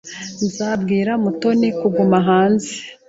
Nzabwira Mutoni kuguma hanze.